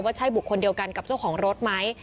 ใช่บุคคลเดียวกันกับเจ้าของรถไหม